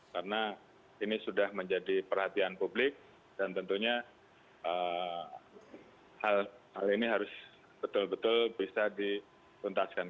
karena ini sudah menjadi perhatian publik dan tentunya hal ini harus betul betul bisa dituntaskan